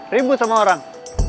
ribut sama orang